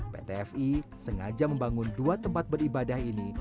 pt fi sengaja membangun dua tempat beribadah ini